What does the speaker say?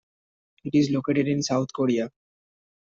It is located in South Korea.